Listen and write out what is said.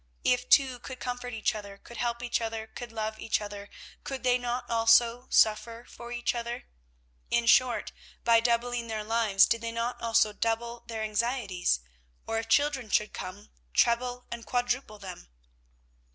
If two could comfort each other, could help each other, could love each other, could they not also suffer for each other? In short, by doubling their lives, did they not also double their anxieties, or if children should come, treble and quadruple them?